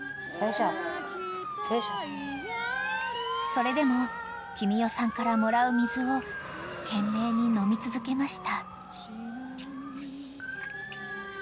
［それでも君代さんからもらう水を懸命に飲み続けました］